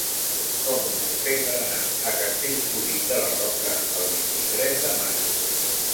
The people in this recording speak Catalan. Com ho puc fer per anar a Castellfollit de la Roca el vint-i-tres de maig?